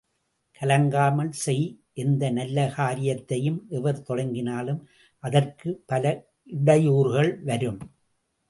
கலங்காமல் செய் எந்த நல்ல காரியத்தையும் எவர் தொடங்கினாலும் அதற்குப் பல இடையூறுகள் வரும்.